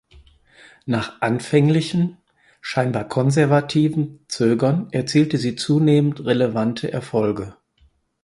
Nach anfänglichem (scheinbar konservativem) Zögern erzielte sie zunehmend relevante Erfolge.